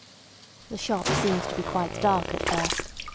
The shop seemed to be quite dark at first.